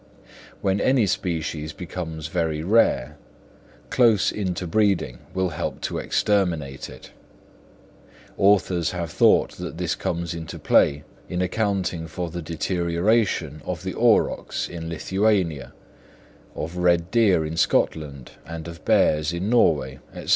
When any species becomes very rare, close interbreeding will help to exterminate it; authors have thought that this comes into play in accounting for the deterioration of the aurochs in Lithuania, of red deer in Scotland and of bears in Norway, &c.